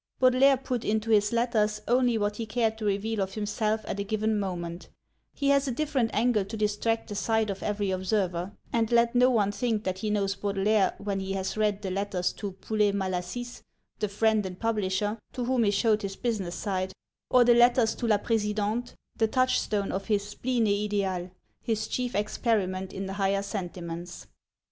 Baudelaire put into his letters only what he cared to reveal of himself at a given moment: he has a different angle to distract the sight of every observer; and let no one think that he knows Baudelaire when he has read the letters to Poulet Malassis, the friend and publisher, to whom he showed his business side, or the letters to la Présidente, the touchstone of his spleen et idéal, his chief experiment in the higher sentiments.